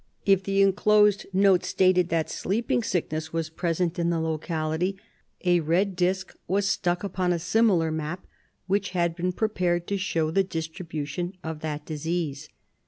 If the enclosed note stated that sleeping sickness was present in the locality, a red disc was stuck upon a similar map which had been prepared to show the distribution of that disease.